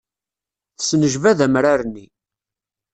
Tesnejbad amrar-nni.